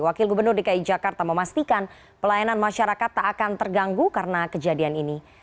wakil gubernur dki jakarta memastikan pelayanan masyarakat tak akan terganggu karena kejadian ini